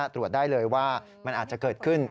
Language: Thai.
ตรวจได้เลยว่ามันอาจจะเกิดขึ้น